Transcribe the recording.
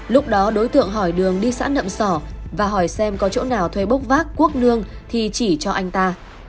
lúc đó đối tượng hỏi đường đi xã nậm sỏ và hỏi xem có chỗ nào thuê bốc vác quốc nương thì chỉ cho anh ta